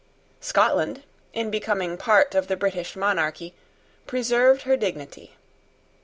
Scotland, in becoming part of the British monarchy, preserved her dignity.